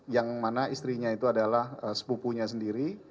yang mana istrinya itu adalah sepupunya sendiri